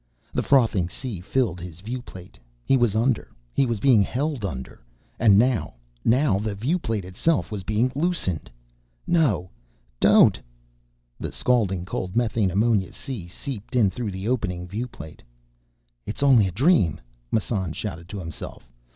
The frothing sea filled his viewplate. He was under. He was being held under. And now ... now the viewplate itself was being loosened. No! Don't! The scalding cold methane ammonia sea seeped in through the opening viewplate. "It's only a dream!" Massan shouted to himself.